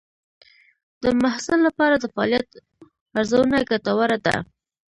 د محصل لپاره د فعالیت ارزونه ګټوره ده.